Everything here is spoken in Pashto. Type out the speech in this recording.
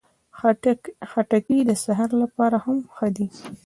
خټکی د سهار لپاره هم ښه ده.